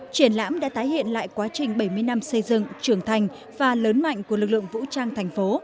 triển lãm đã tái hiện lại quá trình bảy mươi năm xây dựng trưởng thành và lớn mạnh của lực lượng vũ trang thành phố